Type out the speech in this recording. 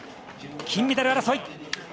金メダル争い。